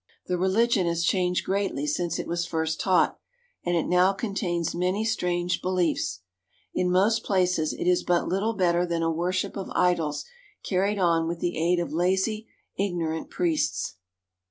The religion has changed greatly since it was first taught, and it now contains many strange beliefs. In most places 200 THE KING OF SIAM AND HIS GOVERNMENT it is but little better than a worship of idols carried on with the aid of lazy, ignorant priests.